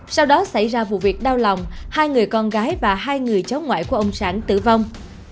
sau đó xảy ra vụ việc đau lòng hai người con gái và hai người cháu ngoại của ông sản tử vong